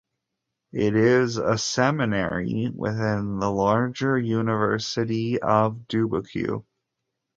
It is a seminary within the larger University of Dubuque.